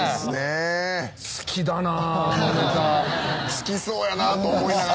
好きそうやなと思いながら見てました。